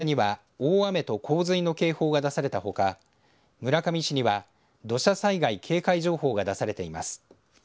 村上市と関川村には大雨と洪水の警報が出されたほか村上市には土砂災害警戒情報が出されています。